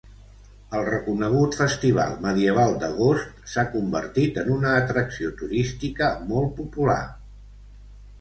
El reconegut Festival Medieval d'Agost s'ha convertit en una atracció turística molt popular.